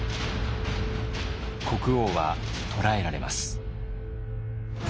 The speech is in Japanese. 国王は捕らえられます。